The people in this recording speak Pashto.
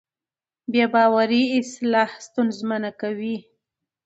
بې باورۍ اصلاح ستونزمنه کوي